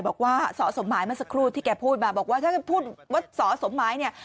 บอกว่าสอสมหมายเมื่อสักครู่ที่แกพูดมาบอกว่าถ้าพูดว่าสอสมหมายเนี่ย